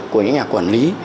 của những nhà quản lý